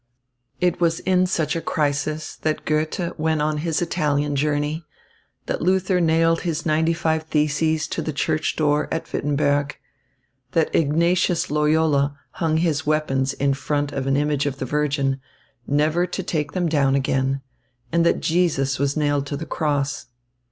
It was in such a crisis that Goethe went on his Italian journey, that Luther nailed his ninety five theses to the church door in Wittenberg, that Ignatius Loyola hung his weapons in front of an image of the Virgin, never to take them down again, and that Jesus was nailed to the cross.